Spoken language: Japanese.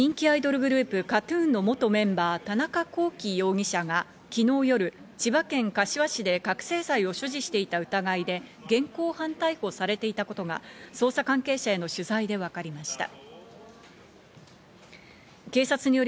人気アイドルグループＫＡＴ−ＴＵＮの元メンバー、田中聖容疑者が昨日夜、柏駅西口デッキの上で覚醒剤を所持していた疑いで、現行犯逮捕されていたことが捜査関係者への取材で分かりました。